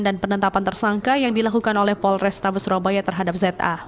dan penetapan tersangka yang dilakukan oleh polrestabes surabaya terhadap za